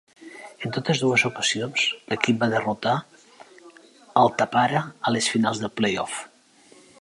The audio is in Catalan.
En totes dues ocasions, l'equip va derrotar al Tappara a les finals de play-off.